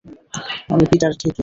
আমি পিটার ঠিকই।